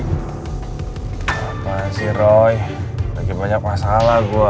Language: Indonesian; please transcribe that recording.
gapapa sih roy lagi banyak masalah gue